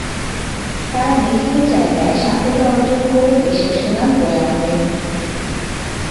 তাঁরা নিজ নিজ জায়গায় সাফল্য অর্জন করে দেশের সুনাম বয়ে আনবে।